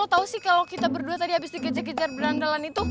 kok lo tau sih kalo kita berdua tadi abis dikejar kejar berandalan itu